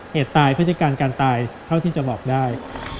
เหตุตายพฤติการการตายเท่าที่จะบอกได้